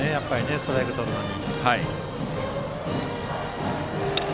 ストライクをとるのに。